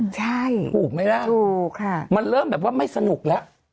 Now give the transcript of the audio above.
ใช่คือมั้ยละมันเริ่มแบบว่าไม่สนุกละ